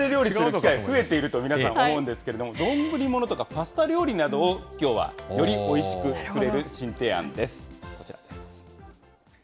家庭料理する機会、増えていると皆さん、思うんですけれども、丼ものとかパスタ料理などを、きょうはよりおいしく作れる新提案です。